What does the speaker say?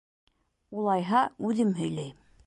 Улайһа, үҙем һөйләйем.